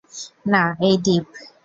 না, এই দ্বীপ।